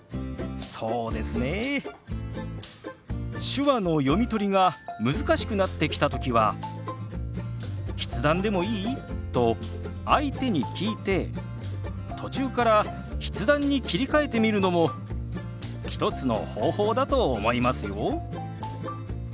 手話の読み取りが難しくなってきた時は「筆談でもいい？」と相手に聞いて途中から筆談に切り替えてみるのも一つの方法だと思いますよ。